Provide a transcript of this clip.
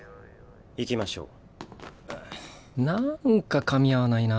行きましょう。